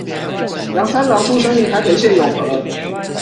楊三郎出生於台北縣永和